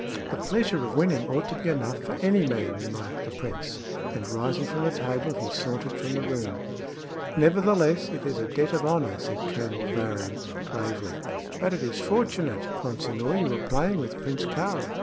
"The pleasure of winning ought to be enough for any man," remarked the prince, and, rising from the table, he sauntered from the room. "Nevertheless, it is a debt of honor," said Colonel Varrin, gravely. "But it is fortunate, Consinor, you were playing with Prince Kāra.